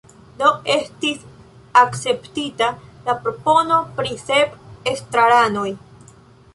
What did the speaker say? Do estis akceptita la propono pri sep estraranoj.